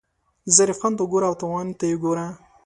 ظریف خان ته ګوره او تاوان ته یې ګوره.